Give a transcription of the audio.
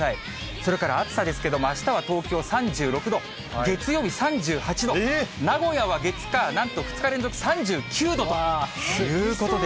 それから暑さですけれども、あしたは東京３６度、月曜日３８度、名古屋は月、火、なんと２日連続３９度ということで。